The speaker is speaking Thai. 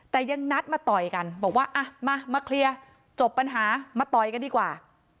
แต่ยังนัดมาต่อยกันบอกว่าอ่ะมามาเคลียร์จบปัญหามาต่อยกันดีกว่า